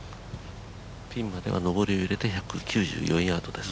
ピンまでは上りを入れて１９４ヤードです。